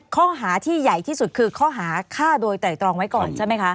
ข้อหาที่ใหญ่ที่สุดคือข้อหาฆ่าโดยสรรค์วิสูจน์ไว้ก่อน